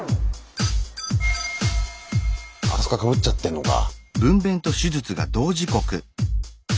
あそこはかぶっちゃってんのか。